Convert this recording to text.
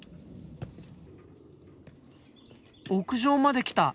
屋上まで来た。